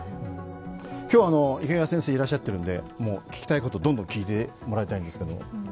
今日、池谷先生、いらっしゃっているので聞きたいこと、どんどん聞いてもらいたいんですけど。